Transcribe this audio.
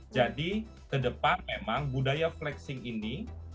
jadi ke depan memang budaya flexing ini